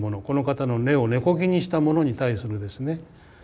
この方の根を根こぎにしたものに対するですね